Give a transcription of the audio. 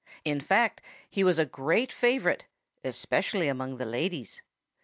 In fact, he was a great favorite especially among the ladies.